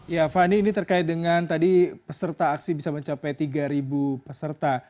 ya fani ini terkait dengan tadi peserta aksi bisa mencapai tiga peserta